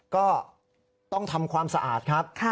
ก็ต้องทำความสะอาดครับ